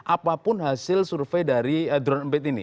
apapun hasil survei dari drone empit ini